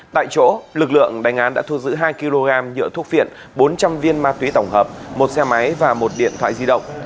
tại chỗ lực lượng đánh án đã thu giữ hai kg nhựa thuốc phiện bốn trăm linh viên ma túy tổng hợp một xe máy và một điện thoại di động